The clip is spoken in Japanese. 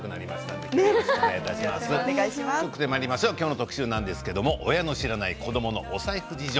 今日の特集は親の知らない子どものお財布事情